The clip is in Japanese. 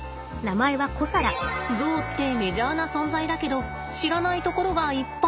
ゾウってメジャーな存在だけど知らないところがいっぱい。